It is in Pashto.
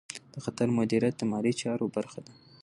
د خطر مدیریت د مالي چارو برخه ده.